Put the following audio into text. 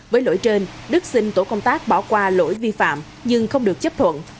với lỗi trên đức xin tổ công tác bỏ qua lỗi vi phạm nhưng không được chấp thuận